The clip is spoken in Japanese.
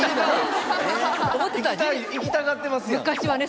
行きたがってますやん。